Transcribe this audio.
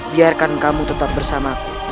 biarkan kamu tetap bersamaku